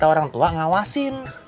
kalau orang tua ngawasin